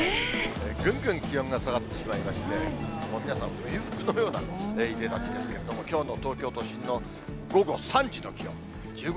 ぐんぐん気温が下がってしまいまして、皆さん、冬服のようないでたちですけれども、きょうの東京都心の午後３時の気温、１５．８度。